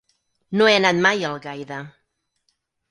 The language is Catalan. No he anat mai a Algaida.